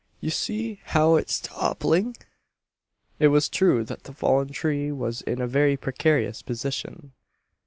Ye see how it's toppling?" It was true that the fallen tree was in a very precarious position.